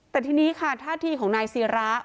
แต่ทีนี้ค่ะท่าทีของนายศิระ